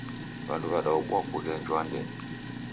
Wandu wadaobua kughenjwa andenyi.